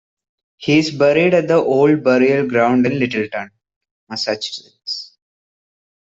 He is buried at the Old Burial Ground in Littleton, Massachusetts.